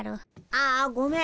ああごめん。